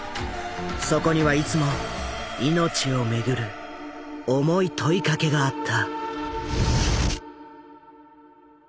そこにはいつも命をめぐる重い問いかけがあった。